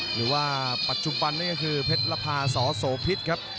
หรือว่าปัจจุบันนี่ก็คือเพชรพาสโสพิษครับ